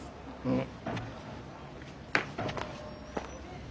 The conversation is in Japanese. うん。